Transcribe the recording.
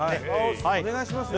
お願いしますよ